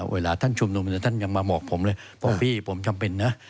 เวลาท่านชุมนุมท่านยังมาบอกผมเลยบอกพี่ผมจำเป็นนะ